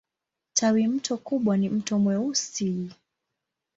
Tawimto kubwa ni Mto Mweusi.